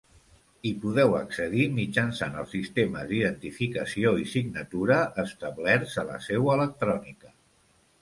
Hi podeu accedir mitjançant els sistemes d'identificació i signatura establerts a la Seu Electrònica.